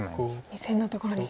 ２線のところに。